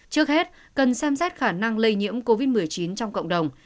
trước hết cần xem xét khả năng lây nhiễm covid một mươi chín trong cộng đồng